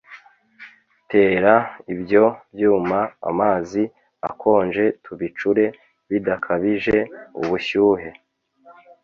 tera ibyo byuma amazi akonje tubicure bidakabije ubushyuhe